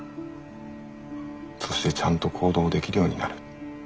そしてちゃんと行動できるようになる。